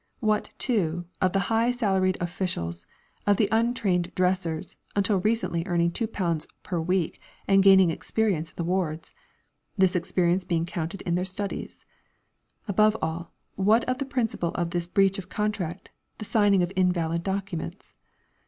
What, too, of the high salaried officials, of the untrained dressers, until recently earning £2 per week and gaining experience in the wards (this experience being counted in their studies)? Above all, what of the principle of this breach of contract, the signing of invalid documents?